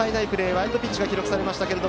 ワイルドピッチが記録されました。